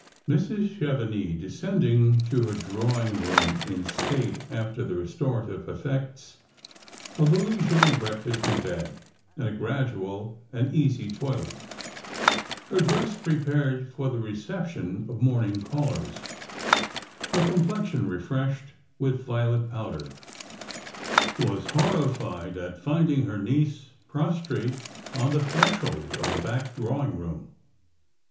Mrs. Chevenix, descending to her drawinfj room in state, — after the restorative effects of a leisurely breakfast in bed, and a gradual and easy toilet; her dress prepared for the leception of 216 Strangers and Pilgrims. jnorniDg callers; her complexion refreshed with violet powder,— was horrified at finding her niece prostrate on the threshold oi the back drawing room.